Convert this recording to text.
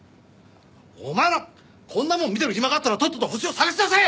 お前らこんなもん見てる暇があったらとっととホシを捜し出せ！